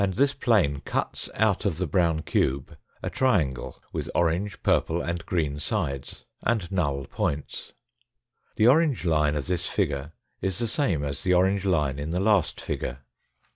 determine lies in the cuts out of the brown cube a triangle with orange, purple and green sides, and null points. The orange line of this figure is the same as the orange line in the last figure.